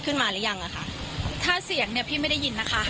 หรือยังอ่ะค่ะถ้าเสียงเนี่ยพี่ไม่ได้ยินนะคะ